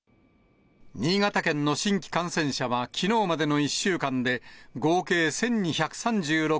新潟県の新規感染者はきのうまでの１週間で、合計１２３６人。